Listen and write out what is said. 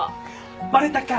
バレたか！